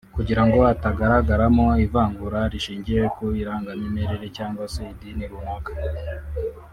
kugira ngo hatagaragaramo ivangura rishingiye ku irangamimerere cyangwa se idini runaka